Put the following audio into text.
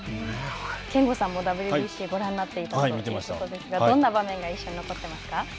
憲剛さんもＷＢＣご覧になっていたということですがどんな場面が印象に残っていますか。